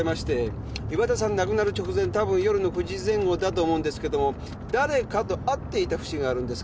岩田さん亡くなる直前たぶん夜の９時前後だと思うんですけどもだれかと会っていた節があるんです。